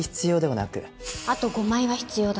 あと５枚は必要だ。